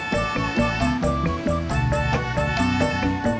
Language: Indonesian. kok kita berhenti disini lagi sih